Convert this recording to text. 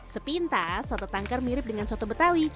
sepintas soto tangkar mirip dengan soto betawi